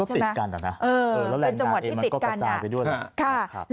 คือมันก็ติดกันค่ะเป็นจังหวัดที่ติดกัน